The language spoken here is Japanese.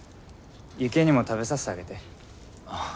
ユキエにも食べさせてあげて。